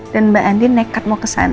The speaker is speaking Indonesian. dan mbak andin nekat mau ke sana